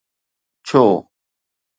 ڇو؟